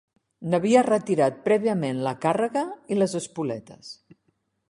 N'havia retirat prèviament la càrrega i les espoletes